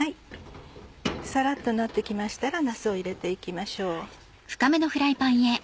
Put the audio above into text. さらっとなって来ましたらなすを入れて行きましょう。